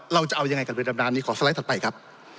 เราจะเอายังไงกับเรือดำน้ำนี้ขอสไลด์ถัดไปครับ